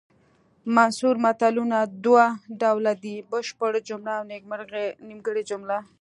منثور متلونه دوه ډوله دي بشپړه جمله او نیمګړې جمله